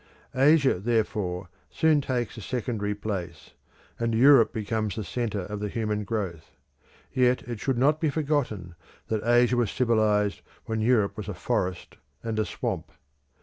Asia, therefore, soon takes a secondary place, and Europe becomes the centre of the human growth. Yet it should not be forgotten that Asia was civilised when Europe was a forest and a swamp.